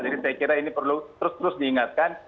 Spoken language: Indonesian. jadi saya kira ini perlu terus terus diingatkan